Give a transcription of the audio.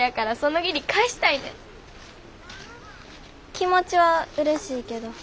気持ちはうれしいけど。